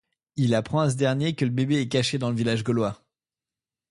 Il apprend à ce dernier que le bébé est caché dans le village gaulois.